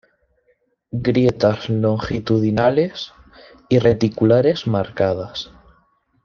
Grietas longitudinales y reticulares marcadas.